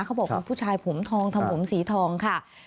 เขาบอกว่าผู้ชายผมทองทำผมสีทองค่ะ